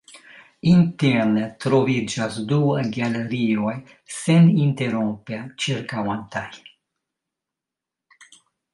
Interne troviĝas du galerioj seninterrompe ĉirkaŭantaj.